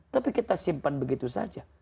tapi kita simpan begitu saja